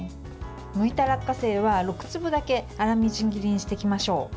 むいた落花生は、６粒だけ粗みじん切りにしていきましょう。